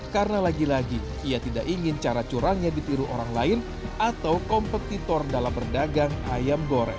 karena lagi lagi ia tidak ingin cara curangnya ditiru orang lain atau kompetitor dalam perdagang ayam goreng